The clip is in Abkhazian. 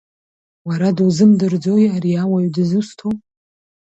Уара дузымдырӡои ари ауаҩ дызусҭоу?